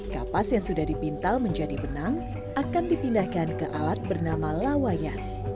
kapas yang sudah dipintal menjadi benang akan dipindahkan ke alat bernama lawayan